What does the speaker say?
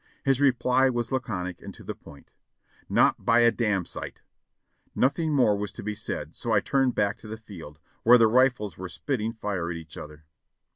His reply was laconic and to the point : ''Not by a damn sight !" Nothing more was to be said, so I turned back to the field. where the rifles were spitting fire at each other.